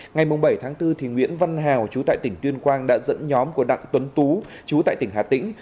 ngày bảy tháng bốn nguyễn văn hào chú tại tỉnh tuyên quang đã dẫn nhóm của đặng tuấn tú chú tại tỉnh hà tĩnh